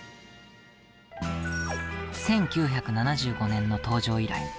１９７５年の登場以来